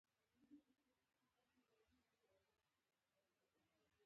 سپي د دروازې مخې ته ناست وو.